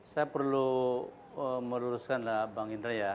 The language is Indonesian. saya perlu meluruskan lah bang indra ya